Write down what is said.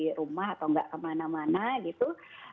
dan kita di rumah atau nggak kemana mana gitu